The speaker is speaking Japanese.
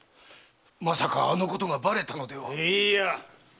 まさかあのことがばれたのでは⁉いいや！